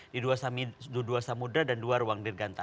di dua samudra dan dua ruang dirgantara